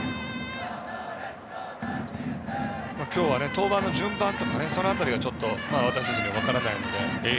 今日は登板の順番とかちょっと、私たちには分からないので。